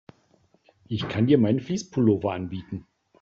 Ich kann dir meinen Fleece-Pullover anbieten.